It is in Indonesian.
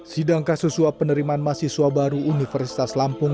sidang kasus suap penerimaan mahasiswa baru universitas lampung